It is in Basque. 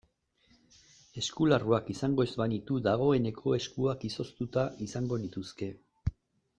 Eskularruak izango ez banitu dagoeneko eskuak izoztuta izango nituzke.